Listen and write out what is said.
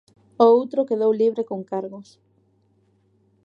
O outro quedou libre con cargos.